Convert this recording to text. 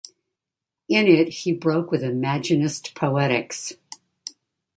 In it he broke with imaginist poetics.